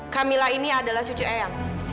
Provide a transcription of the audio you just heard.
kamila ini adalah cucu ea